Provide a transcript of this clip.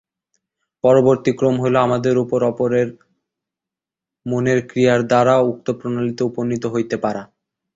পরবর্তী ক্রম হইল আমাদের উপর অপরের মনের ক্রিয়ার দ্বারা উক্ত প্রণালীতে উপনীত হইতে পারা।